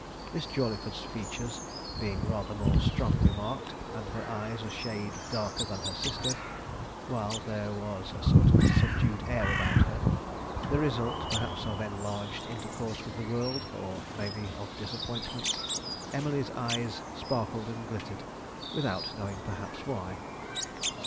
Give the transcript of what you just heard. Miss Jawleyford's features being rather more strongly marked, and her eyes a shade darker than her sister's; while there was a sort of subdued air about her the result, perhaps, of enlarged intercourse with the world or maybe of disappointments. Emily's eyes sparkled and glittered, without knowing perhaps why.